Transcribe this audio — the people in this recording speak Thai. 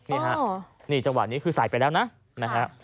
นี่ฮะนี่จังหวะนี้คือใส่ไปแล้วนะนะฮะ